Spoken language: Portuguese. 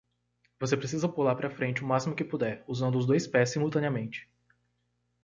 Você precisa pular para frente o máximo que puder, usando os dois pés simultaneamente.